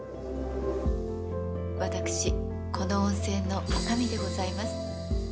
私この温泉の女将でございます。